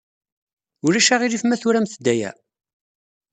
Ulac aɣilif ma turamt-d aya?